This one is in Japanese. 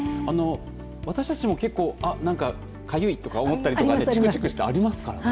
私たちも結構かゆいとか思ったりとかちくちくしたりありますからね。